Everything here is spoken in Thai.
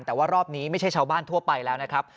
แต่ว่ารอบนี้ไม่ใช่ชาวบ้านทั่วไปแล้วนะครับ